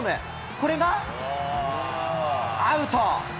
これが、アウト。